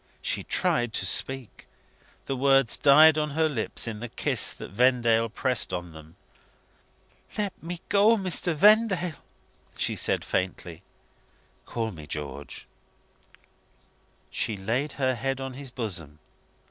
She tried to speak. The words died on her lips in the kiss that Vendale pressed on them. "Let me go, Mr. Vendale!" she said faintly. "Call me George." She laid her head on his bosom.